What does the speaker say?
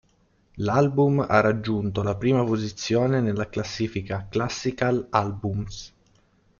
L'album ha raggiunto la prima posizione nella classifica Classical Albums.